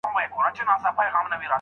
د شاګرد سره اړیکه نه پرې کېږي.